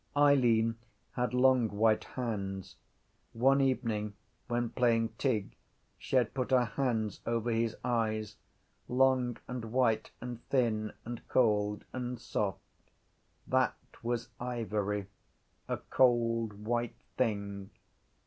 Eileen had long white hands. One evening when playing tig she had put her hands over his eyes: long and white and thin and cold and soft. That was ivory: a cold white thing.